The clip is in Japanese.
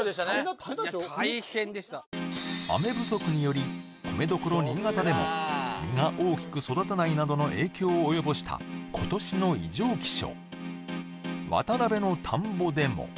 いや大変でした雨不足により米どころ新潟でも実が大きく育たないなどの影響を及ぼした今年の異常気象